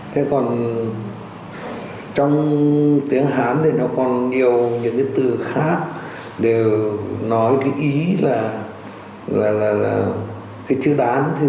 thế còn trong tiếng hán thì nó còn nhiều những cái từ khác đều nói cái ý là cái chữ đán thí dụ như là cái sáng sủa rực rỡ hạ vi như vậy